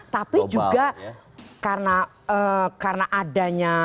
tapi juga karena adanya